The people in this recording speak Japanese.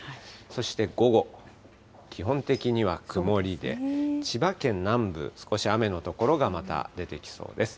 そして午後、基本的には曇りで、千葉県南部、少し雨の所がまた出てきそうです。